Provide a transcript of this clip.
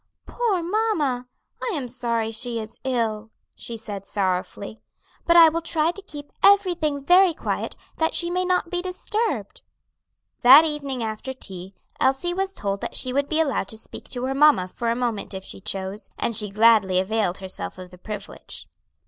"Poor mamma! I am sorry she is ill," she said sorrowfully; "but I will try to keep everything very quiet that she may not be disturbed." That evening, after tea, Elsie was told that she would be allowed to speak to her mamma for a moment if she chose, and she gladly availed herself of the privilege.